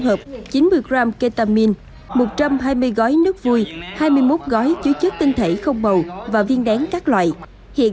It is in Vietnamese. hợp chín mươi gram ketamine một trăm hai mươi gói nước vui hai mươi một gói chứa chất tinh thể không màu và viên nén các loại hiện